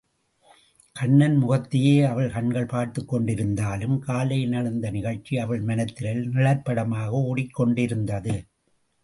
கண்ணன் முகத்தையே அவள் கண்கள் பார்த்துக் கொண்டிருந்தாலும், காலையில் நடந்த நிகழ்ச்சி அவள் மனத்திரையில் நிழற்படமாக ஓடிக் கொண்டிருந்தது.